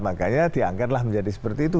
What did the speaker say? makanya diangkatlah menjadi seperti itu